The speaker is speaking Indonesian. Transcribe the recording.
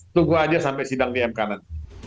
tunggu aja sampai sidang dm kanan